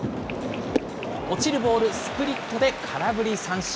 落ちるボール、スプリットで空振り三振。